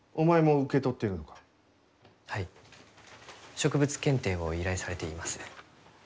植物検定を依頼されています。